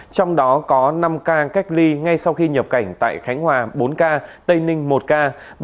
trong đó có năm ca cách ly ngay sau khi nhập cảnh tại khánh hòa bốn ca tây ninh một ca